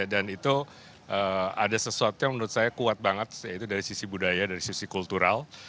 dan itu ada sesuatu yang menurut saya kuat banget dari sisi budaya dan sisi kultural